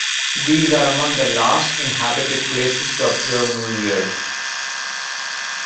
These are among the last inhabited places to observe New Year.